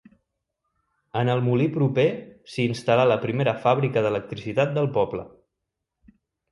En el molí proper s'hi instal·là la primera fàbrica d'electricitat del poble.